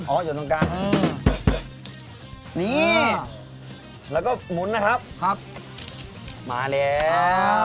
อยู่ตรงกลางอืมนี่แล้วก็หมุนนะครับครับมาแล้ว